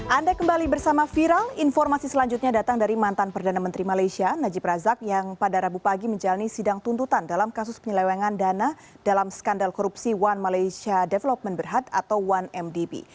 anda kembali bersama viral informasi selanjutnya datang dari mantan perdana menteri malaysia najib razak yang pada rabu pagi menjalani sidang tuntutan dalam kasus penyelewengan dana dalam skandal korupsi one malaysia development berhad atau satu mdb